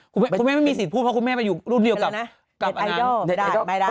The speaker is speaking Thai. คุณแม่ไม่มีสิทธิ์พูดเพราะคุณแม่ไปอยู่รุ่นเดียวกับอันนั้นเน็ตไอดอลไม่ได้ไม่ได้